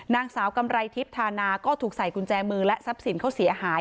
นางสาวกำไรทิพย์ธานาก็ถูกใส่กุญแจมือและทรัพย์สินเขาเสียหาย